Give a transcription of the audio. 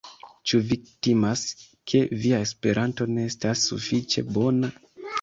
Ĉu vi timas, ke via Esperanto ne estas sufiĉe bona?